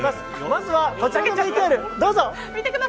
まずは、こちらのＶＴＲをどうぞ。